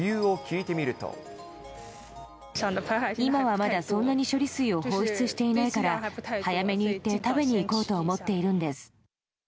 今はまだそんなに処理水を放出していないから、早めに行って食べに行こうと思っているんです。